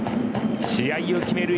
試合を決める